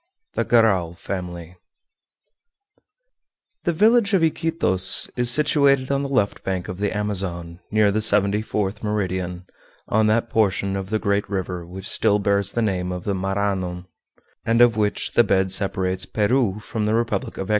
THE GARRAL FAMILY The village of Iquitos is situated on the left bank of the Amazon, near the seventy fourth meridian, on that portion of the great river which still bears the name of the Marânon, and of which the bed separates Peru from the republic of Ecuador.